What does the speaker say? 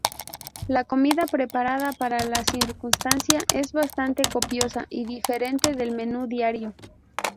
La comida, preparada para la circunstancia, es bastante copiosa y diferente del menú diario.